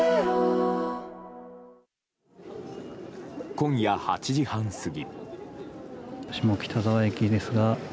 今夜８時半過ぎ。